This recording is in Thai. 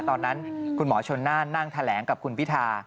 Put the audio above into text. ตอนนั้นคุณหมอชนน่านนั่งแถลงกับคุณพิธา